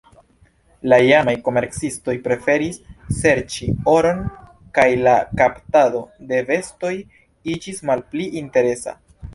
La iamaj komercistoj preferis serĉi oron kaj la kaptado de bestoj iĝis malpli interesa.